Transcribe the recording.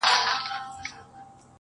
زما پر زړه باندي تل اورې زما یادېږې -